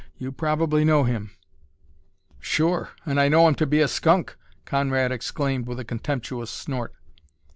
You probably know him " "Sure! And know him to be a skunk!" Conrad exclaimed with a contemptuous snort.